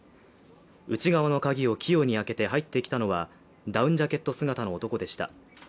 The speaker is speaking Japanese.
内側の鍵を器用に開けて入ってきたのは、ダウンジャケット姿の男でした。